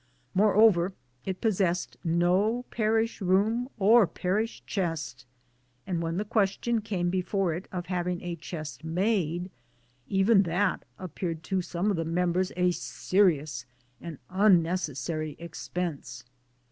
Moreover it possessed no Parish Room! or Parish chest, and when the question came before it of having a chest made, even that appeared to some of the members a serious and unnecessary; expense.